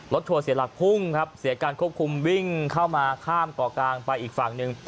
ทัวร์เสียหลักพุ่งครับเสียการควบคุมวิ่งเข้ามาข้ามเกาะกลางไปอีกฝั่งหนึ่ง